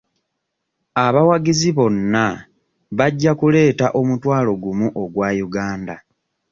Abawagizi bonna bajja kuleeta omutwalo gumu ogwa Uganda.